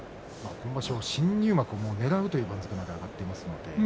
新入幕をねらえるという番付まで上がってきていますね。